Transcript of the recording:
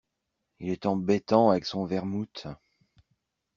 Il est embêtant avec son vermouth !…